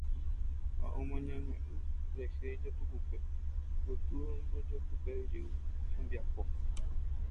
Ha omaña'ỹ rehe ijatukupe gotyo ombojoapyjey hembiapo.